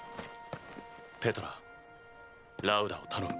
ペトララウダを頼む。